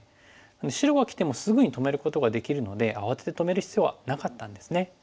白がきてもすぐに止めることができるので慌てて止める必要はなかったんですね。